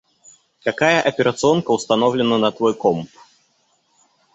Какая операционка установлена на твой комп?